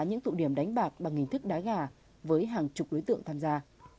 những tụ điểm đánh bạc bằng hình thức đá gà với hàng chục đối tượng tham gia